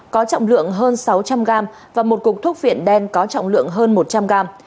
có trọng lượng hơn sáu trăm linh gram và một cục thuốc phiện đen có trọng lượng hơn một trăm linh gram